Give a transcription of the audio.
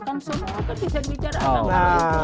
kan semua ketika kita bicara sama